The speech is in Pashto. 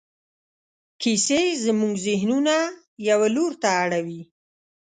کیسې زموږ ذهنونه یوه لور ته اړوي.